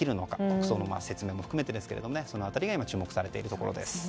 国葬の説明も含めてですけれどもその辺りが注目されているところです。